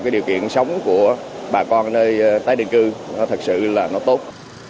và cái điều kiện sống của bà con ở nơi tái định cư thật sự là nó tốt